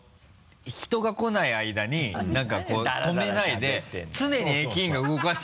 人が来ないあいだに何かこう止めないで常に駅員が動かして。